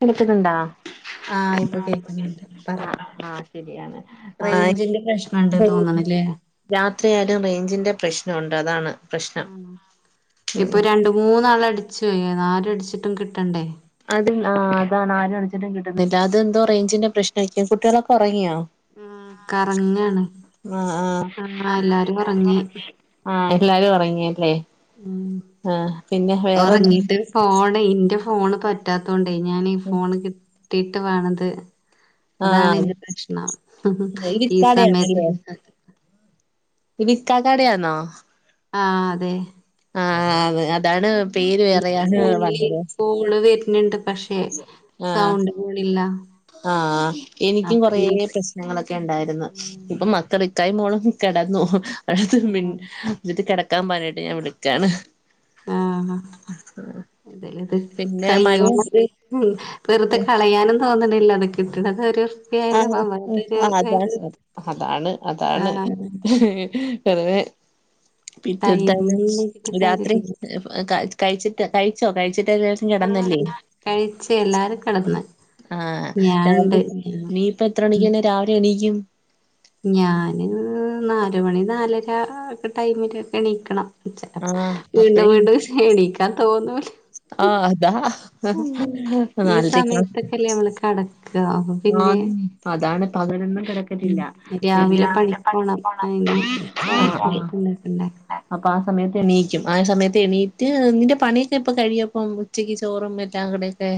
കെൾക്ക്‌ന്ന്ണ്ടാ ആ ഇപ്പ കേക്ന്ന് ണ്ട് പറ ശെരിയാണ് ആ റേഞ്ചിന്റെ പ്രശ്നണ്ട് തോന്നണല്ലേ രാത്രിയായാലും റെയ്ഞ്ചിന്റെ പ്ര [unintelligible] ണ്ട് അതാണ് പ്രശ്നം ആണോ ഉം ഇപ്പ രണ്ട് മൂന്നാള് അടിച് പോയി ആര് അടിച്ചിട്ടും കിട്ടണ്ടേ അത് ആ അതാണ് ആരും അടിച്ചിട്ട് കിട്ടുന്നില്ല അതെന്തോ റേഞ്ചിന്റെ പ്രശ്നായിരിക്കും കുട്ടികളൊക്കെ ഒറങ്ങിയോ ഉം കറങ്ങാണ് ആ ആഹ് എല്ലാരും ഉറങ്ങി ആ എല്ലാരും ഒറങില്ലേ ആ പിന്നെ വേറെന്താ ഒറങ്ങിട്ട് ഫോണ് ഇന്റെ ഫോണ് പറ്റാത്തോണ്ടേ ഞാൻ ഈ ഫോണ് കിട്ടി ട്ട് വേണം ത് അതാണ് ആഹ് ഇന്റെ പ്രശ്നം ഇത് ഈ സമയത്ത് വിക്കാ കടയാണോ ആ അതെ ആ അത് അ ഇൻക് ഫോണില് കൊള് വര്ന്ന്ണ്ട് പക്ഷെ സൗണ്ട് പോണില്ല ആ എനിക്കും അപ്പ കൊറെ ഈ പ്രശ്നങ്ങളൊക്കെ ണ്ടായിരുന്നു ഉം ഇപ്പം മക്കള് കൈ മോളം കെടന്നു ആഹ് ഇന്നേട്ട് കെ ടക്കാൻ പറഞ്ഞിട്ട് ഞാൻ വിളക്കയാണ് ആഹ് ഇതല ഇത് പിന്നെ മഴ കൈയ്യോള്ളത് വെറുതെ കളയാനും തോന്ന [unintelligible] ആ ആ അതാണ് അതാണ് അതാണ് ആഹ് വെറ്തെ പിറ്റെത്തെ ടൈമിങ്ങിട്ട് രാത്രി കാര്യല്ല കഴിച്ചിട്ട് കഴിച്ചോ കഴിച്ചിട്ട് ആഹ് കഴിച്ച് എല്ലാരും കെടന്ന് ഞാനുണ്ട് [unintelligible] ഞാൻ നി ഇപ്പ എത്ര ഉം മണിക്ക് ന്നെ രാവില എണീക്കും ഞാന് നാലുമണി നാലര ഒകെ ടൈമില് ഏണിക്കണം ച ആഹ് വീണ്ടും വീണ്ടും എണിക്കാ തോന്നുല ആ അതാ ഈ സമയത്തൊക്കെല്ലേ നമ്മള് [unintelligible] കടക്ക അപ്പൊ ആ പിന്നെ അതാണ് പകലോന്നും ഉം കിടക്കത്തില്ല പിന്നെ രാവിലെ പണിക്ക്‌ പണിക്കോണം പോണം അയിന് ചായിം കടിയൊക്കെ ഇണ്ടാക്കണ്ടേ അപ്പ ആ സമയത്ത് എണീക്കും ആ സമയത്ത് എണീറ്റ് നിന്റെ പണി ക്ക എപ്പൊ കഴിയപ്പം ഉച്ചക്ക് ചോറും [unintelligible] കടെക്കെ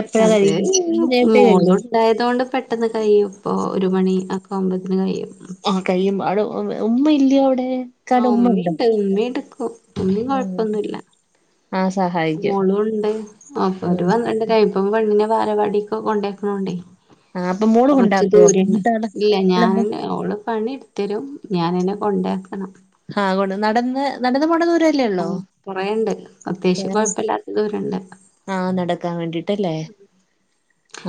എപ്പഴാ കഴും [unintelligible] തായതോണ്ട് പെട്ടെന്ന് കഴിയും ഇപ്പൊ ഒരു മണി ഒക്കെ ആവുമ്പോത്തിന് കഴിയും ആഹ് കഴിയും അവിടെ ഉമ്മ ഇല്ലയോ അവിടെ ആ ഇക്കാടെ ഉമ്മ ഉണ്ടോ ഉമ്മിണ്ട് ഉമ്മിട്ക്കും ഒന്നും ഉം കൊഴപ്പൊന്നുല്ല ആഹ് സഹായിക്കും മോളുംണ്ട് അപ്പൊര് ഉം പന്ത്രണ്ടര ഇപ്പം പെണ്ണിനേ ഭാലവാടിക് കൊണ്ടാക്ണോണ്ടേ ആഹ് അപ്പൊ മോള് കൊറ്ച് കൊണ്ടാക്കുവോ ദൂരാണ് മൂത്താള് ഇല്ല അല്ല മൂ ഞാന് ഓടെ പണിെടു ഒത്തരും ഞാനെന്നേ കൊണ്ടാക്കണം ആ കൊ നടന്ന് നടന്ന് പോണ ദൂരല്ലേള്ളൂ ഉം കൊറേണ്ട് അത്യാവശ്യം കൊയ്പ്പല്ലാത്ത തൂരണ്ട് ആ നടക്കാൻ വേണ്ടിട്ടല്ലേ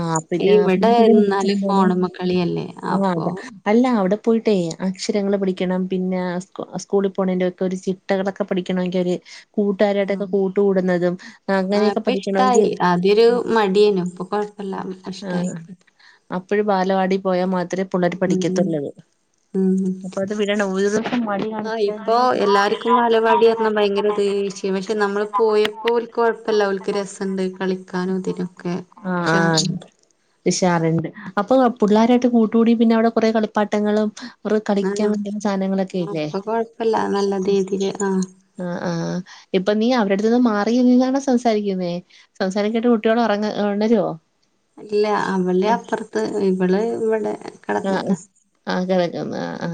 ആഹ് പിന്നെ ഇവിടെ എന്നാല് പിന്നെ ഫോണ്മ്മ കളിയല്ലേ അപ്പൊ [unintelligible] ലാ അവ്ടെ പോയ്ട്ടേ അക്ഷരങ്ങള് പഠിക്കണം പിന്നെ സ്കൂ സ്കൂളിപോണേന്റെ ഒക്കെ ഒരു ചിട്ടകളൊക്കെ പഠിക്കണം ൻകൊര് കൂട്ടാരായ്ട്ടെക്കെ കൂട്ടു കൂടുന്നതും അങ്ങനെ പ്പിഷ്ടായി ആദ്യൊരു മടിയെനു ഇപ്പൊ കൊഴ്പ്പല്ല ഇഷ്ടായിക്ക്ണ് അപ്പഴും ബാലവാടി പോയാ മാത്രേ പുള്ളര് ഉം പഠിക്കത്ത്ള്ളത് ഉം അപ്പൊ അത് വിടണോ ഒരു ദിവസം മടി ആ കാണിചാ ഇപ്പൊ [unintelligible] ദേശ്യോ വക്ഷെ നമ്മള് പോയപ്പോൽ കൊഴ്പ്പല്ല ഓൽ ത് രസണ്ട് കളിക്കാനുതിനൊക്കെ ഷാറാണ് ഷാറുണ്ട് അപ്പൊ പുള്ളോരായ്ട്ട് കൂട്ടുകൂട്യ പിന്നെ അവ്ടെ കൊറേ കളിപ്പാട്ടങ്ങളും ഉറ് ആ കളിക്കാ [unintelligible] സാനങ്ങളൊക്കെ ആ ഇല്ലേ ഇപ്പൊ കൊഴപ്പല്ല നല്ല രീതിയില് ആ അ ആ ഇപ്പൊ നീ അവരെട്ത്ത്ന്ന് മാറി ന്നാണോ സംസാരിക്കുന്നേ സംസാരംകേട്ട് കുട്ട്യാള് ഒറങ്ങ ഒണരോ? അല്ല അവള്യ പ്പർത്ത് ഇവള് ഇവടെ അ കിടക്കുന്ന ആ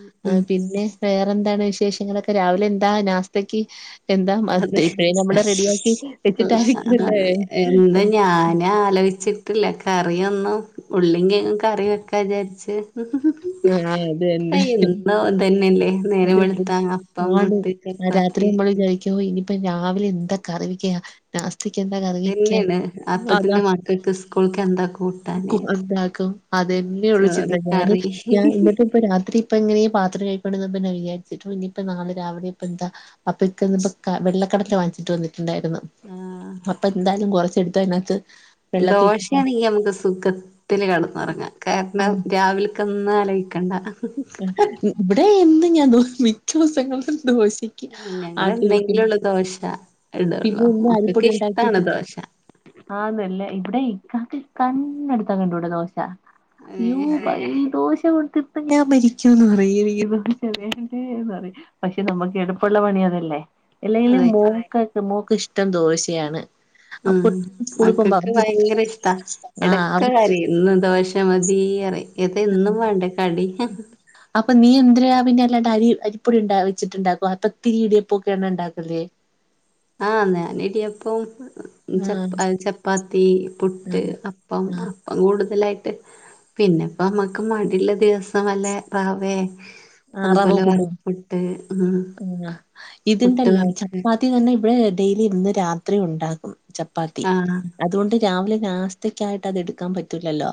ഉം ആ ഉം പിന്നെ വേ ന്താണ് വിശേഷങ്ങളൊക്കെ, രാവിലെ എന്താ നാസ്തക്ക് എന്താ അതെ മത്തേ ഇപ്പയെ നമ്മള് റെഡിയാക്കി വെച്ചിട്ടായിരിക്കുവല്ലേ? വെച്ചിട്ടില്ല, കറിയൊന്നും ഉള്ളിം കേങ്ങും കറി വെക്കാ. വിചാരിച് ആ അത് തന്നെ പ്പയെന്നു അതന്നെല്ലേ നേരം അത് വെളുത്താ അപ്പം ആണ് പുട്ട് ആ, രാത്രി ചപ്പാത്തി നമ്മൾ വിചാരിക്കും ഓ ഇനിയിപ്പ രാവിലെ എന്താ കറിവെക്ക നാസ് ന്താ കറിവെക്ക തന്നെയാണ് അത അപ്പത്തിന് മക്കൾക്ക് സ്കൂൾക്ക് എന്താ കൂട്ടാന് എന്താകും ഉം അതന്ന്യൊള്ളു ചിന്ത ചോറ് ഞാന് കറി ഞാ ന്ന്ട്ട്പ്പൊ രാത്രിപ്പൊ എങ്ങനെയ പാത്രം കഴുകി കൊണ്ടിന്ന നെ വിചാര്ട്ടു ഇനിപ്പ നാളെ രാവിലെ ഇപ്പന്താ അപ്പക്കിന്ന്ക വെള്ളക്കടല വാങ്ങ്ചിട്ട് വന്ന്. ണ്ടായ്ര്ന്നു, ആഹ് അപ്പ ന്തായാലും കൊറച്ചെടുത്തയ്നാത്ത് ദോശയാണെങ്കി നമുക്ക് സുഖത്തില് കെടന്നുറങ്ങാ. കാരണം രാവിൽക്കന്ന് ആലോയ്ക്കണ്ട ഇവടെ എന്നു ഞാ ദോ മിക്കൂസങ്ങൾലും ദോശക്ക് ഞങ്ങള് ആട്ടി വെക്കുന്നു എന്നെങ്കിലുള്ളൂ ദോശ ഇടുള്ളൂ പിന്നെന്നെ മക്കൾക്ക് അടിപ്പൊടി ഇഷ്ടാണ് ഉണ്ടാക്കീട്ട് ദോശ ആന്നല്ലേ ഇവടെ കാക്ക് കണ്ണെട്ത്ത കണ്ടൂട ദോശ യൊ ഏഹ് പയീ ദോശ കൊൺ ഞാൻ മരിക്കൂന്ന് പറയും ദോശ വേണ്ടെന്നു പറയും പക്ഷെ നമ്മക്ക് എടപ്പുള്ള പണി അതല്ലേ എല്ലെലും അതെ മോക്ക് മോക്ക് ഇഷ്ടം ദോശയാണ് അപ്പൊ മ് സ്കൂളിൽ പോകുമ്പോ മക്കക്ക് അവർക്ക് ഭയങ്കര ഇഷ്ടാ ആഹ് ഇടക്ക് അവർക്ക് കര്യും ഇന്ന് ദോശ മത് തീറ്യം എതെന്നും വേണ്ടേ കടി പ്പൊ നീ എന്ത്രരയാ പിന്നെല്ലാണ്ട് അരി അരിപ്പൊടി ണ്ട വെച്ചിട്ടുണ്ടാക്കോ പ്പൊ പത്തിരി ഇടിയപ്പൊക്കെയാണോ ഉണ്ടാക്കല്? ആ ഞാന് ഇടിയപ്പും ആഹ് ചപ് അ ചപ്പാത്തി പുട്ട് ആഹ് അപ്പം അപ്പം കൂട് തലായ്ട്ട് പിന്നെപ്പൊ നമ്മക്ക് മടിള്ള ദിവസം വലെ റവേ അ റവ അതുപോലെ ഉപ്പുമാ വറപ്പുട്ട് ഉം ആ പുട്ട് ഇത്ണ്ടല്ലോ വറുക്ക് ചപ്പാത്തി തന്നെ ഇവടെ ഡെയ്‌ലി ന്ന് രാത്രി ഉണ്ടാകും ചപ്പാത്തി ആഹ് അതോണ്ട് രാവിലെ നാസ്തക്കായ്ട്ട് അതെടുക്കാൻ പറ്റൂല്ലല്ലോ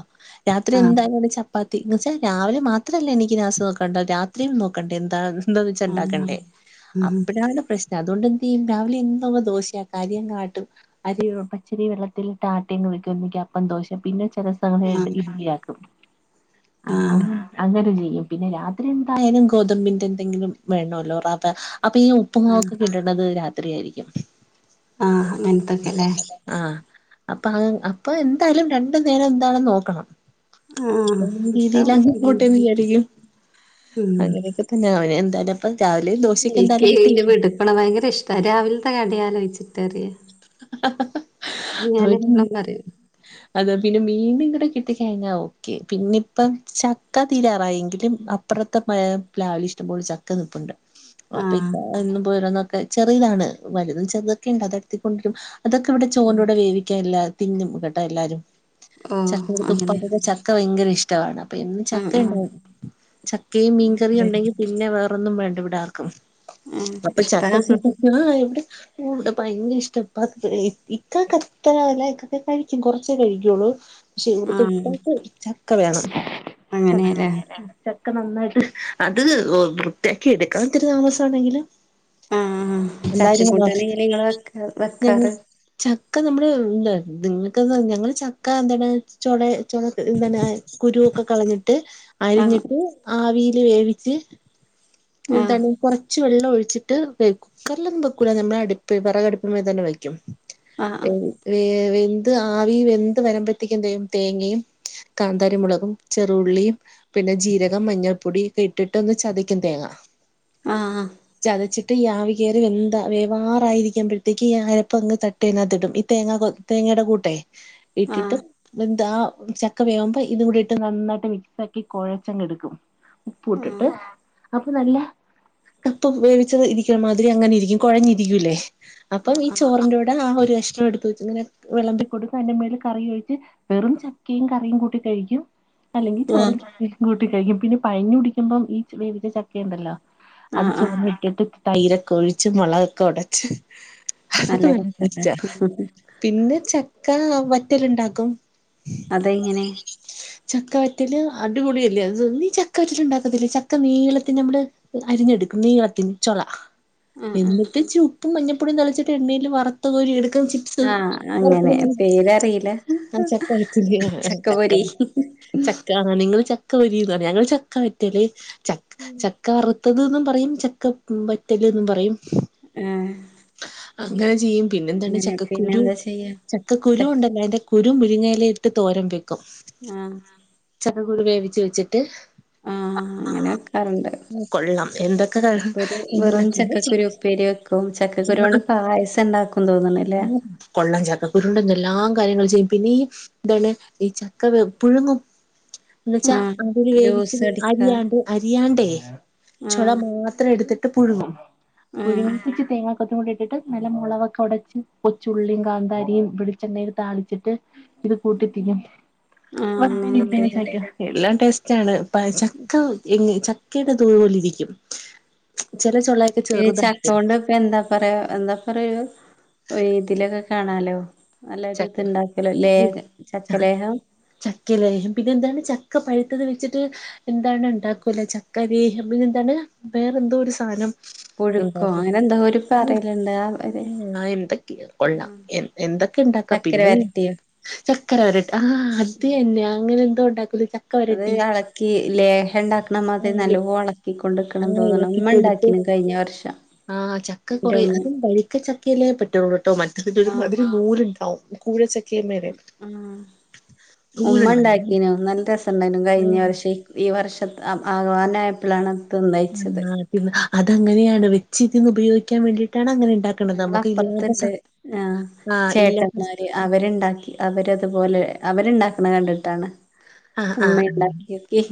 രാത്രി ആഹ് എന്തായാലും അവ്ടെ ചപ് പ്പാത്തി എന്നെച്ചാ രാവിലെ മാത്രല്ല എനിക്ക് നാസ വെക്കണ്ട രാത്രിയും നോക്കണ്ടേ ന്താ എന്തോ വെച്ച ആഹ് ഉണ്ടാക്കണ്ടേ ഉം അപ്പഴാണ് പ്രശ്നം അതോണ്ടെന്തെയ്യും രാവിലെന്നങ്ങ് ദോശയാ അരി അങ്ങാട്ടും അരി പച്ചരി വെള്ളത്തിലിട്ട് ആട്ട്യങ്ങ് വെക്കും പ്പം ദോശ പിന്നെ രസവാണേൽ ആഹ് ഇഡ്ലിയാക്കും ആ ആഹ് അങ്ങനെ ചെയ്യും പിന്നെ രാത്രി യനും ഗോതമ്പിന്റെ എന്തെങ്കിലും വേണോല്ലോ റവ അപ്പൊ ഈ ആഹ് ഉപ്പുങ്ങക്ക് കിട്ടുന്നത് രാ ത്രിയാരിക്കും ആ അങ്ങൻത്തൊക്കെ ലെ? ആഹ് അപ്പൊ അ അപ്പൊ എന്തായാലും രണ്ടു നേരം എന്താണ് നോക്കണം ആഹ് [unintelligible] ഒക്കെ രീതിലങ്ങ് ഉം പോട്ടേന്ന് വിചാരിക്കും. അങ്ങനെക്കെ തന്നെ ആവ ല് എന്താലെ പ്പം? എയ്ക്ക് ഇന്റെ വിടുപോണ ഭയങ്കര ഇഷ്ട രാവിൽത്തെ കാര്യംലോച്ചിട്ട അറിയാ അ അ അ അവന് എപ്പളും പറയും അതാ പിന്നെ മീൻ ഇങ്ങട് കി ടി കയിഞ്ഞ ഓക്കെ പിന്നെ ഇപ്പം ചക്ക തീറായെങ്കിലും അപ്പറത്തെ പയെ പ്ലാവിലിഷ്ടം ഒര് ചക്ക നിപ്പുണ്ട് അപ്പൊ ഈ ആഹ് [unintelligible] എന്നും ഓരൊന്നോക്കെ ചെറിതാണ് വല്തു ചെറ്തൊക്കെ ഇണ്ട് അതെട്ത്ത് കൊണ്ട് രും അതൊക്കെ ഇവിടെ ചോർ ഉം ന്റുടെ വേവിക്കാ എല്ല തിന്നും കേട്ടാ എല്ലാരും ഓഹ് ചക്ക അങ്ങനെ തുപ്പാെ [unintelligible] ചക്ക വയങ്കര ഇഷ്ട്ടവാണ് അപ്പോ ഇന്ന് ആഹ് ചക്ക ആഹ് ഇണ്ടാവും ചക്കയും മീൻകറിഉം ഒണ്ടെങ്കി പിന്നെ വേ ർ ഒന്നും വേണ്ട ഇവിടാർക്കും ആഹ് അപ്പം ഇഷ്ടാ ചക്ക [unintelligible] ഇവിടെ ഇവടെ ഭയങ്കര ഇഷ്ട പപ്പേയ്കി ക്ക കത്ത അല്ലക്കൊക്കെ കഴിക്കും കൊറച്ചേ കഴിക്കുള്ളൂ പശെ ഇവിടുത്തെ ആഹ് ഉപ്പാക് ച ക്ക വേണം അങ്ങനെല്ലേ [unintelligible] ക്കെ നന്നായിട്ട് അത് ഒ വൃത്യാക്കി എടുക്കാൻത്തിരു താമസാണെങ്കിലു ആഹ് ആഹ് എന്തായിരുന്നു ചക്കക്കൂട്ടാന് എങ്ങനെ ഇങ്ങള് വെക്കാ ബ്രോ ഞ വെക്കാറ് ചക്ക നമ്മള് ന്താ ദിങ്ങക്കത് ഞങ്ങള് ചക്ക എന്താണ് ചോളെ ചൊളോക് ന്താണ് ആ കുരുക്കെ കളഞ്ഞിട്ട് ആഹ് അരിഞ്ഞിട്ട് ആവീ വേവിച് ആഹ് ന്താണ് കൊ റ ച്ച് വെള്ളം ഒഴിച്ചിട്ട് വെ കുക്കർളോന്നും വെകൂല ഞമ്മൾ അടുപ് വെറകടുപ്പ്മ്മെ തന്നെ വെയ്ക്കും. ആഹ് വേ വേവി ത് ആവി വെന്തു വരുമ്പത്തിക്കും ന്തേയ്യും തേങ്ങയും കാന്താരിമുളകും ചെറുള്ളിയും പിന്നെ ജീരകം മഞ്ഞൾപ്പൊടി ക്കെ ഇട്ടിട്ട് ഒന്ന് ചതയ്ക്കും തേങ്ങ ആഹ് ചതച്ചി ഈയാവി കേറി വെന്താ വേവാറായിരിക്കുമ്പോത്തേക്ക് ഈ ആയപ്പ അങ്ങ് ത തേങ്ങ തിടും ഈ തേങ്ങ കൊ തേങ്ങയുടെ കൂട്ടേ ആഹ് ഇട്ടിട്ട് ആഹ് വെന്താ ആ ചക്ക വേവുമ്പോ ഇത് കൂടിട്ട് നന്നായിട്ട് മിക്സ് ആക്കി കൊഴച്ചങ്ങെടുക്കും. ഉപ്പു ഇട്ടിട്ട് ആഹ് അപ്പൊ നല്ല കപ്പ വേവിച്ചത് ഇരിക്കണ മാതിരി അങ്ങനെ ഇരിക്കും കൊഴഞ്ഞിരിക്കൂലെ? അപ്പം നീ ആഹ് ചോറിന്റെ ഓ ട് ആ ഒരു എഷ്ട്ര എടുത്ത് വെച്ചു ഇങ്ങനെ വെളമ്പി കൊടുത്ത് അയിന്റെ മേല് കറി ഒയിച്ച് വെറും ചക്കയും കറിയും കൂട്ടി കഴിക്കും? അല്ലെങ്കി ചോറും ആഹ് കൂട്ടി കഴിക്കും പിന്നെ പഴഞ്ഞി ടിക്കുമ്പം ഈ വേവിച്ച ചക്കി ണ്ടല്ലോ അത് ആഹ് ആഹ് ചുമന്നു ഇട്ടിട്ട് തൈരൊക്കെ ഒഴിച്ച് മുളകൊക്കെ ഒടച്ച് ഹ് നല്ലത. ച്ച പിന്നെ ചക്ക വറ്റല് ണ്ടാക്കും. അതെങ്ങെനെ? ചക്കവറ്റല് അടിപൊളിയല്ലേ അത് നീ ചക്കവറ്റൽ ണ്ടാക്കത്തില്ലെ ചക്ക നീളത്തി നമ്മ്ടെ അരി ഞ്ഞെടുക് നീളത്തിൻ ചൊള ആഹ് ആഹ് എന്നിട്ട് ചുപ്പും മഞ്ഞപ്പൊടിം തളിച്ചിട്ട് എണ്ണേൽ വറുത്തു കോരി എട് ച ചിപ്സ് [unintelligible] ആഹ് അങ്ങനെ പേരറിയില്ല ആ ചക്ക [unintelligible] ചക്ക ചക്കപൊരി ചക്ക ആ നിങ്ങള് ചക്ക പൊരിന്ന് ഞങ്ങള് ചക്ക വറ്റല് ചക് ചക്കവർ ത്തത് ന്നും പറയും ചക്ക വറ്റല്ന്നും പറയും ആഹ് അങ്ങനെ ചെയ്യും പിന്നെ എന്താണ് അങ്ങനെ പിന്നെ ചക്കുകുരു എന്താ ചെയ്യാ ചക്കക്കുരു ച ഉണ്ടല്ലോ അതിന്റെ കുരു മുരിങ്ങയിലെ ഇട്ട് തോരം വെയ്ക്കും. ആ കുരു വേവിച്ച് വെച്ചിട്ട് ഹ് ആ ഹ് അങ്ങനെക്കാറുണ്ട്. ഉം കൊള്ളാം എന്തൊക്കെ ക ചക്കക്കുരി എന്തെല്ലാം വെറും പിന്നെ ചക്കക്കുരു ചക്ക ഉപ്പേരി വെക്കും ചക്കക്കുരു കൊണ്ട് പായസം ണ്ടാക്കും തോന്ന്ണ്. മ് കൊള്ളാ ചക്ക കുരുണ്ടോന്തേല്ലാം ആ കാര്യങ്ങൾ ചെയ്യും പിന്നെ ഈ ന്താണ് ഈ ചക്ക പുഴുങ്ങും എന്നു ച്ചാ ആഹ് അതൊരു വേവിച്ച് ജ്യൂസ് അടിക്ക അരിയാണ്ട് അരിയാണ്ടേ ചോള ആഹ് മാത്രം എടുത്ത് ട്ട് പുഴുങ്ങും ആഹ് പുഴുങ്ങിപ്പിച്ച് തേങ്ങാ കൊത്തു കൂടി ഇട്ടിട്ട് നല്ല മുളൊകൊക്കെ ഒടച്ച് കൊച്ചുള്ളിയും കാന്താരിയും വളിച്ചെണ്ണയിൽ താളിച്ചിട്ട് ഇത് കൂട്ടിത്തിക്കും ആഹ് അങ്ങനെയുണ്ട്ല്ലേ എല്ലാം ടേസ്റ്റ് ആണ് ചക്കഎങ്ങനെ ചക്ക ത പോോലെ ഇരിക്കും ചില ചൊളയൊക്കെ പി ചക്കക ചെറുതായിരിക്കും കൊണ്ട് ഇപ്പൊ എന്താ പറയാ എന്താ പറയൊ വഏതിലൊക്കെ കാണാലോ നല്ലൊരു ഇത്ണ്ടാക്കലോ ലേ ചക്കല്ല ചക്കലേഹം പിന്നെ എന്താണ് ചക്ക പഴു ഇത് വെച്ചിട്ട് എന്താണ് ഉണ്ടാക്കൂല്ല ചക്കര പിന്നെ എന്താണ് വേറെ എന്തോ ഒരു സാധനം പുഴുക്കോ ഉണ്ടട്ടോ അങ്ങനെ എന്തോ ഒരു പറയലുണ്ട് ആ ഒരു എന്തൊക്കെ കൊള്ളാം എന്തൊക്കെ പിന്നെ ചക്കര വരട്ടിയോ ചക്കര വരട്ട് ആ് അത് തന്നെ അങ്ങനെന്തോ ഉണ്ട അത് ഇളക്കി ലേഹ ഉണ്ടാക്കണം ആ മാതി അല്ലെ നല്ലവോ ആ ഉളക്കിൊണ്ടിക്കണം തോന്നണം നമ്മ ഉണ്ടാക്കി കഴിഞ്ഞ വർഷം ആ ചക്ക എന്റെ കുറേ ഉമ്മ അതും ബരിക്ക ചക്കയല്ലേ പറ്റുള്ളൂ കേട്ടോ മറ്റതില് ഒരു മധുരം പോലും ഇൻ കൗ കൂടെ സെറ്റ് ഉം ഉം ഉമ്മ നൂലുണ്ടാവും ഉണ്ടാക്കീനു നല്ല രസംണ്ടായിനും കഴിഞ്ഞ ഉം വർഷേ ഈ വർഷം അം ആഗവാനായപ്പൊളാണ് ആ പിന്നെ അതങ്ങനെയാണ് വെച്ചിരുന്ന് ഉപയോഗിക്കാൻ വേണ്ടി ഞങ്ങളപ്പുറത്തണ്ട് ആ ആഹ് ഇല്ലാത്ത ചേട്ടന്മാര് അവരുണ്ടാക്കി അവര് ഇത്പോലെ അവരുണ്ടാക്കണ കണ്ടിട്ടാണ് ആഹ് അമ്മ ആഹ് ഉണ്ടാക്കിയോക്കിയെ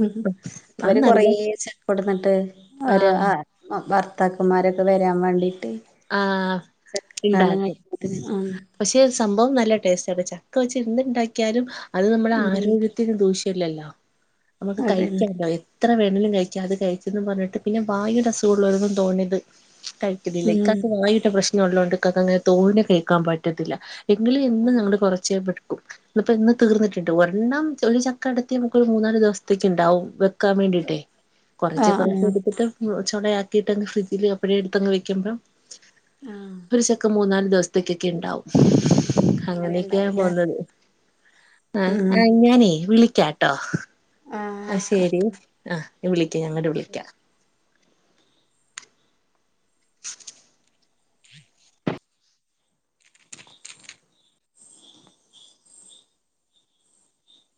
അത് അവര് കൊറേ നല്ല ചപ്പടന്നു ണ്ട്. ഓരോ ആഹ് ആ ഭർത്താക്കന്മാരൊക്കെ വരാൻ വേണ്ടിട്ട് ആ ചക്കക്കാലം ഉണ്ടാക്കും കഴിയുമ്പോത്തിന് ആ പക്ഷെ സംഭവം ന ല്ല ടേസ്റ്റ് ആ ചക്ക വെച്ച് എന്ത്‌ണ്ടാക്കിയാലും അത് നമ്മുടെ ഉം ആരോഗ്യത്തിന് ദൂഷ്യല്ലല്ലോ നമുക്ക് അതന്നെ കഴിക്കാലോ എത്ര വേ ണെങ്കിലും കഴിക്കാ അത് കഴിച്ചെന്നും പറഞ്ഞിട്ട് പിന്നെ വായുടെ അസുഖള്ളോലൊന്നും തോന ഇത് കഴിക്കിന്നില്ല. ഉം വാഴുന്റെ പ്രശ്നം ഉള്ളോണ്ട് ഇക്കാക്കങ്ങനെ തോനെ കഴിക്കാൻ പറ്റത്തില്ല. എങ്കിലും എന്നും ഞങ്ങങ്ങള് കുറച്ച് ഇപ്പ ഇന്ന് തീർന്നിട്ടുണ്ട്. ഒരെണ്ണം ഒരു ചക്ക അടത്തി നമുക്ക് ഒരു മൂന്നാല് ദിവസത്തേക്ക് ഉണ്ടാവും വെ ക്കാൻ വേണ്ടിട്ടേ ആഹ് കൊറച്ച് കൊറച്ച് ആഹ് എടുത്തിട്ട് ചൊളയാക്കിട്ടങ്ങ് ഫ്രിഡ്ജിൽ അപ്പഴേ എടുത്തങ് വെയ്ക്കുമ്പം ആഹ് ഒരു ചക്ക മൂന്നാല് ദിവസ്തേക്കൊക്കെ ഇണ്ടാവും. അങ്ങനെ അങ്ങനെയൊക്കെയാ ഇണ്ടാവുംല്ലേ പോന്നത് ആ ഉം ഞാനേ വിളി ക്കാ ട്ടോ ആഹ് ആ ആയിക്കോട്ടെ ശെരി എന്നാ. ആ വിളിക്ക ഞാ ഉം അങ്ങട് വിളിക്ക ശരി